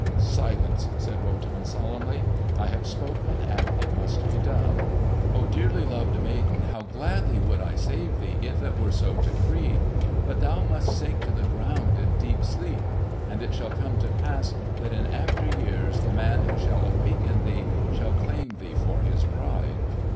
"Silence!" said Wotan solemnly. "I have spoken, and it must be done. Ah, dearly loved maiden, how gladly would I save thee if it were so decreed! But thou must sink to the ground in deep sleep. And it shall come to pass that in after years the man who shall awaken thee shall claim thee for his bride."